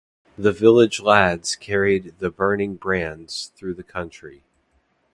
The village lads carried the burning brands through the country.